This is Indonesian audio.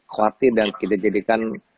khawatir dan kita jadikan